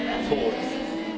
そうです。